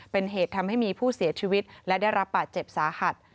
เป็นเหตุทำให้มีผู้เสียชีวิตและได้รับบาดเจ็บสาหัส